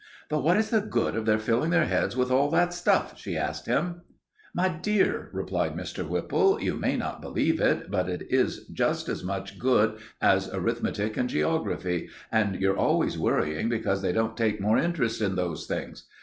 "But what is the good of their filling their heads with all that stuff?" she asked him. "My dear," replied Mr. Whipple, "you may not believe it, but it is just as much good as arithmetic and geography, and you're always worrying because they don't take more interest in those things.